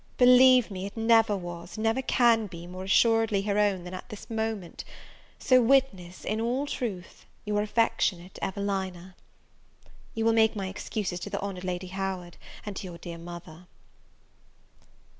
believe me it never was, never can be, more assuredly her own than at this moment. So witness in all truth, Your affectionate, EVELINA. You will make my excuses to the honoured Lady Howard, and to your dear mother.